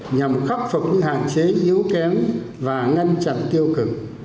nhằm khắc phục những hạn chế yếu kém và ngăn chặn tiêu cực